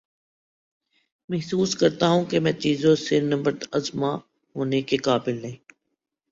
محسوس کرتا ہوں کہ میں چیزوں سے نبرد آزما ہونے کے قابل نہی